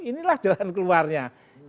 inilah jalan keluarnya